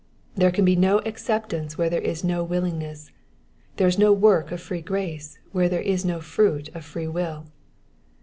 There can be no acceptance where there is no willing ness ; there is no work of free grace where there is no fruit of free will.